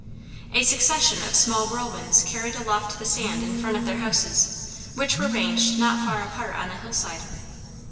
A succession of small whirlwinds carried aloft the sand in front of their houses, which were ranged not far apart on the hillside.